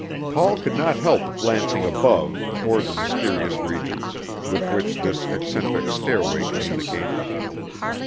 Paul could not help glancing above, toward the mysterious regions with which this eccentric stairway communicated.